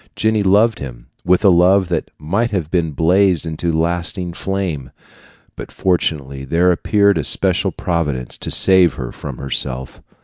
Jenny loved him with a love that might have blazed into a lasting flame; but fortunately there appeared a special providence to save her from herself.